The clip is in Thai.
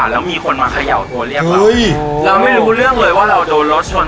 แล้วมีคนมาเขย่าตัวเรียกว่าเราไม่รู้เรื่องเลยว่าเราโดนรถชน